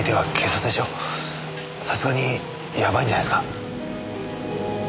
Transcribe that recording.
さすがにやばいんじゃないですか？